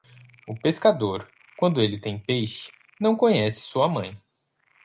O pescador, quando ele tem peixe, não conhece sua mãe.